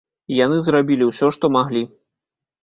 Яны зрабілі ўсё, што маглі.